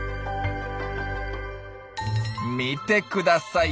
見てください